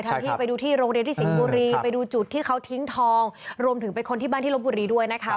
ที่ไปดูที่โรงเรียนที่สิงห์บุรีไปดูจุดที่เขาทิ้งทองรวมถึงไปค้นที่บ้านที่ลบบุรีด้วยนะคะ